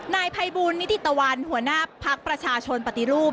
นายภัยบูลนิติตะวันหัวหน้าภักดิ์ประชาชนปฏิรูป